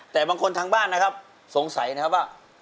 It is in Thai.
แต่บางคนทางบ้านนะครับสงสัยนะครับว่า